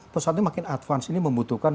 pesawat yang makin advance ini membutuhkan